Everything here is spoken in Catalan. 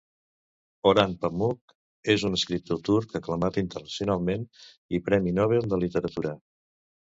Orhan Pamuk és un escriptor turc aclamat internacionalment i Premi Nobel de literatura.